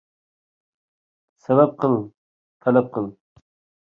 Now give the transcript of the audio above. سەۋەب قىل، تەلەپ قىل.